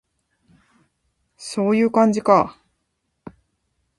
そういう感じか